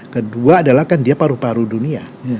kedua adalah kan dia paru paru dunia